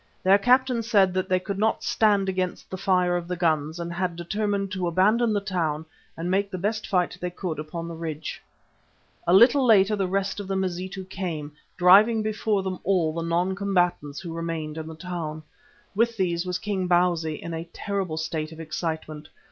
Their captain said that they could not stand against the fire of the guns and had determined to abandon the town and make the best fight they could upon the ridge. A little later the rest of the Mazitu came, driving before them all the non combatants who remained in the town. With these was King Bausi, in a terrible state of excitement.